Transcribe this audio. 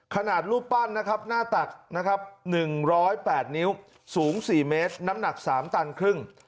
ขนาดรูปปั้นนะครับหน้าตักนะครับ๑๐๘นิ้วสูง๔เมตรน้ำหนัก๓ตันครึ่ง